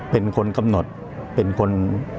เป็นคนกำหนดเป็นคน